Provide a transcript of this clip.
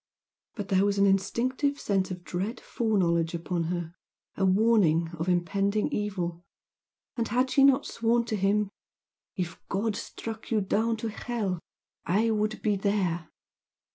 But there was an instinctive sense of dread foreknowledge upon her, a warning of impending evil, and had she not sworn to him "If God struck you down to hell I would be there!"